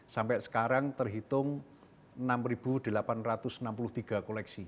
sampai sekarang terhitung enam delapan ratus enam puluh tiga koleksi